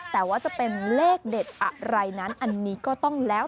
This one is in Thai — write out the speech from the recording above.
แต่ว่าจะเป็นเลขเด็ดอะไรนั้นอันนี้ก็ต้องแล้ว